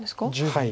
はい。